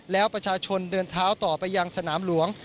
แล้วประชาชนเดินเท้าต่อไปยังสนามหลวง